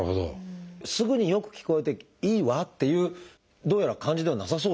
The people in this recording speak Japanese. すぐに「よく聞こえていいわ」っていうどうやら感じではなさそうですね。